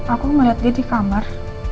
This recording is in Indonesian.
aku melihat dia di kamar